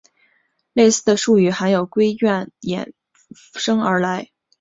类似的术语还有硅烷衍生而来。